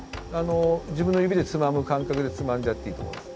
自分の指でつまむ感覚でつまんじゃっていいと思います。